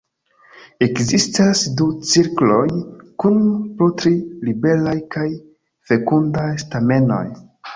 Ekzistas du cirkloj kun po tri liberaj kaj fekundaj stamenoj.